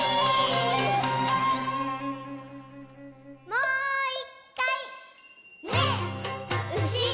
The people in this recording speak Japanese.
もう１かい！